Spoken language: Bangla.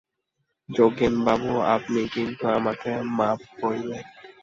যোগেনবাবু, আপনি কিন্তু আমাকে মাপ করিবেন।